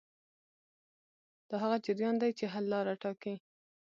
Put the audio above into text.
دا هغه جریان دی چې حل لاره ټاکي.